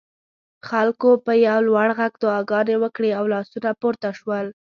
خلکو په یو لوړ غږ دعاګانې وکړې او لاسونه پورته شول.